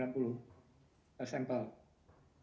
nah tinggal sekarang kita lihat